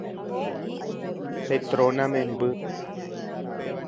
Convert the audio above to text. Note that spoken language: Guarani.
Petrona memby.